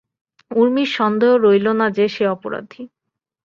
ঊর্মির সন্দেহ রইল না যে সে অপরাধী।